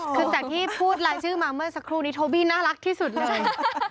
คือจากที่พูดรายชื่อมาเมื่อสักครู่นี้โทบี้น่ารักที่สุดเลย